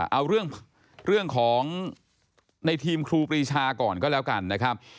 เอาเรื่องของในทีมครูปรีชาก่อนก็แล้วกันนะครับ